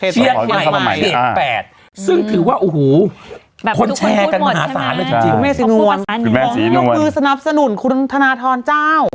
เชศใหม่ซึ่งถือว่าโอ้โหคนแชร์กันหาศาลคุณแม่สีนวรพวกมือสนับสนุนคุณธนาธรเจ้า